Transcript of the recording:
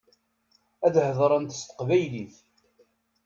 Ad heḍṛent s teqbaylit.